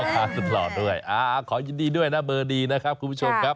สุดหล่อด้วยขอยินดีด้วยนะเบอร์ดีนะครับคุณผู้ชมครับ